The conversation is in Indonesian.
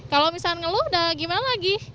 kalau misalnya ngeluh dah gimana lagi